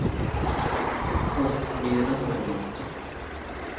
Roth viene dato per morto.